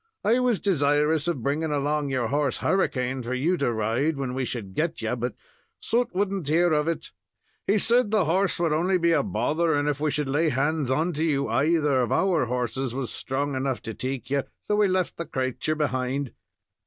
I was desirous of bringing along your horse Hurricane, for you to ride when we should get you, but Soot would n't hear of it. He said the horse would only be a bother, and if we should lay hands onto you, either of our horses was strong enough to take you, so we left the crature behind."